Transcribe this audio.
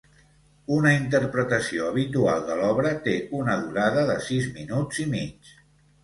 Una interpretació habitual de l'obra té una durada de sis minuts i mig.